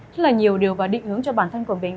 rất là nhiều điều và định hướng cho bản thân của mình